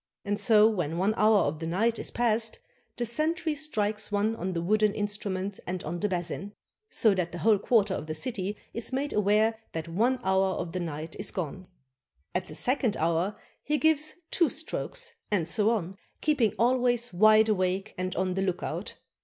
And so when one hour of the night is past, the sentry strikes one on the wooden instrument and on the basin, so that the whole quarter of the city is made aware that one hour of the night is gone. At the second hour, he gives two strokes, and so on, keeping always wide awake and on the lookout.